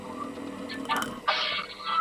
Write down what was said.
موږ اوس د یو نوي کتاب په لټه کي یو.